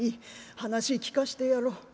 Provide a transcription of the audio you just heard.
話聞かしてやろう。